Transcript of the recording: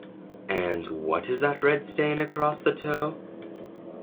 And what is that red stain across the toe?